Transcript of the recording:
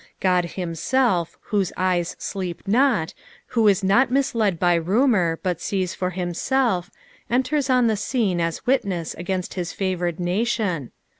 God himself, whose eyes sleep not, who is not misled b; rumour, but sees for himself, enters on the scene as witness against his favoured nation.